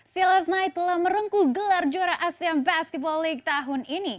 clf night telah merengkuh gelar juara asean basketball league tahun ini